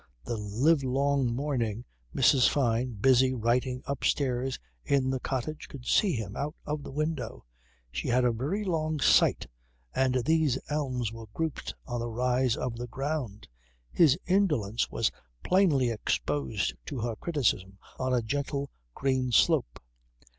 The live long morning, Mrs. Fyne, busy writing upstairs in the cottage, could see him out of the window. She had a very long sight, and these elms were grouped on a rise of the ground. His indolence was plainly exposed to her criticism on a gentle green slope.